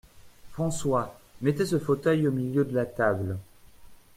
François, mettez ce fauteuil au milieu de la table…